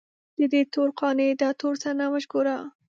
ددې تور قانع داتور سرنوشت ګوره